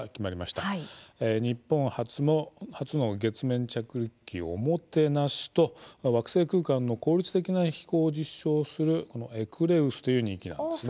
日本初の月面着陸機「オモテナシ」と惑星空間の効率的な飛行を実証する「エクレウス」という２機なんです。